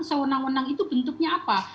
sewenang wenang itu bentuknya apa